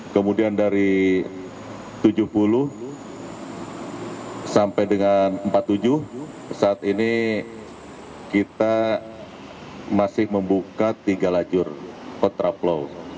kemudian dari tujuh puluh sampai dengan empat puluh tujuh saat ini kita masih membuka tiga lajur kontraplow